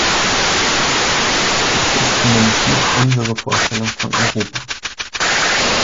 Dies ist zumindest nicht unsere Vorstellung von Europa.